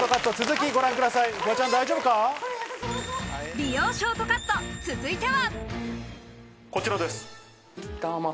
美容ショートカット、続いては。